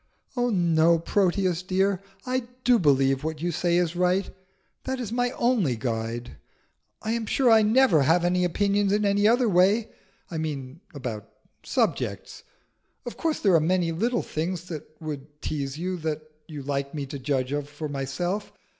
"Oh no, Proteus, dear. I do believe what you say is right. That is my only guide. I am sure I never have any opinions in any other way: I mean about subjects. Of course there are many little things that would tease you, that you like me to judge of for myself.